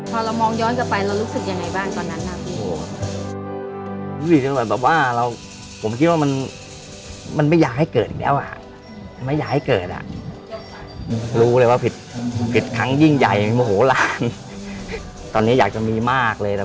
พอเรามองย้อนกลับไปเรารู้สึกยังไงบ้างตอนนั้นน่ะ